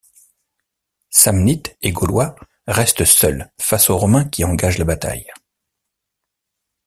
Samnites et Gaulois restent seuls face aux Romains qui engagent la bataille.